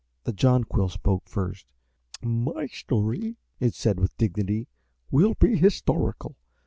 The Jonquil spoke first. "My story," it said, with dignity, "will be historical.